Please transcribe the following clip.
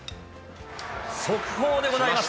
速報でございます。